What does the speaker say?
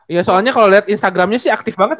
iya soalnya kalau lihat instagramnya sih aktif banget